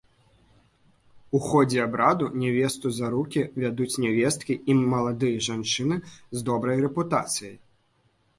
У ходзе абраду нявесту за рукі вядуць нявесткі і маладыя жанчыны з добрай рэпутацыяй.